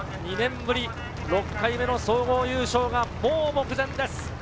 ２年ぶり、６回目の総合優勝がもう目前です。